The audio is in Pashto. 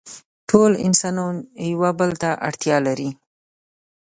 ټول انسانان يو بل ته اړتيا لري.